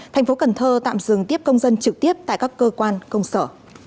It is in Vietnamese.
tp hcm tạm dừng tiếp công dân trực tiếp tại các cơ quan công sở